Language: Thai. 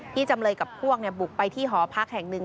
จำเลยกับพวกบุกไปที่หอพักแห่งหนึ่ง